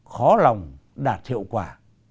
khó lòng đạt hiệu quả